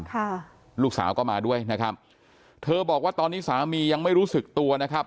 ค่ะลูกสาวก็มาด้วยนะครับเธอบอกว่าตอนนี้สามียังไม่รู้สึกตัวนะครับ